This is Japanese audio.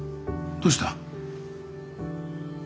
どうした？